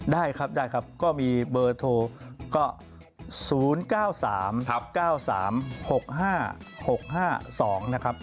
ได้ครับได้ครับก็มีเบอร์โทรก็๐๙๓๙๓๖๕๖๕๒นะครับ